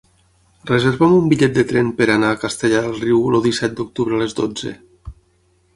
Reserva'm un bitllet de tren per anar a Castellar del Riu el disset d'octubre a les dotze.